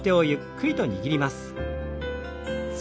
はい。